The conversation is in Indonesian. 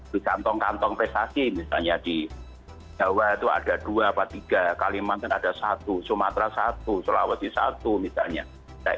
di kantong kantong prestasi misalnya di jawa itu ada dua atau tiga kalimantan ada satu sumatera satu sulawesi satu misalnya